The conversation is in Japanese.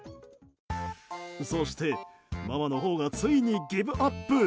そして、ママのほうがついにギブアップ。